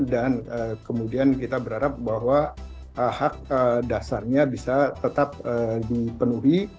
dan kemudian kita berharap bahwa hak dasarnya bisa tetap dipenuhi